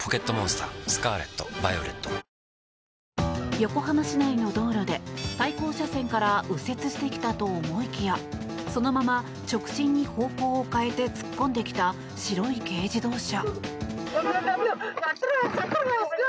横浜市内の道路で対向車線から右折してきたと思いきやそのまま直進に方向を変えて突っ込んできた、白い軽自動車。